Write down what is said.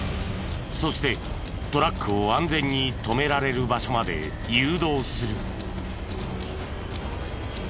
そしてトラックを安全に止められる場所まで誘導する。